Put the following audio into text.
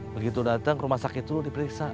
begitu datang ke rumah sakit dulu diperiksa